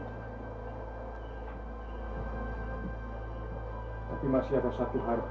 tapi masih ada satu hal